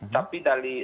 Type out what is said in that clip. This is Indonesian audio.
tapi dari panduan